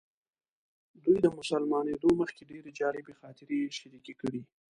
دوی د مسلمانېدو مخکې ډېرې جالبې خاطرې شریکې کړې.